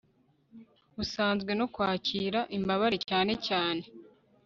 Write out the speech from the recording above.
busanzwe no kwakira imbabare cyane cyane